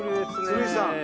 鶴井さん。